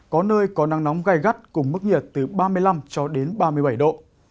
có nơi có nắng nóng gai gắt cùng mức nhiệt từ ba mươi năm cho đến ba mươi bảy độ